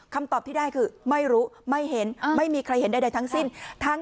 ตอบที่ได้คือไม่รู้ไม่เห็นไม่มีใครเห็นใดทั้งสิ้น